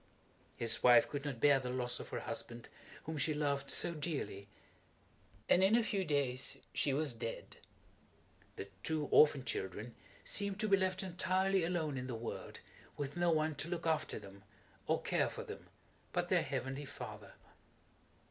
His wife could not bear the loss of her husband, whom she loved so dearly, and in a few days she was dead. The two orphan children seemed to be left entirely alone in the world, with no one to look after them, or care for them, but their Heavenly Father.